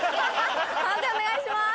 判定お願いします。